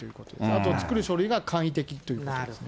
あと作る書類が簡易的っていうことですね。